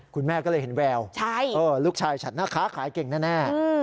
คุณแม่ก็เลยเห็นแววลูกชายฉันน่าค้าขายเก่งแน่